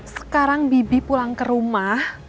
sekarang bibi pulang ke rumah